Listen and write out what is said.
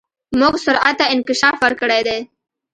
موږ سرعت ته انکشاف ورکړی دی.